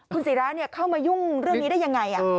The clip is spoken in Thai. คุณศิราเข้ามายุ่งเรื่องนี้ได้ยังไง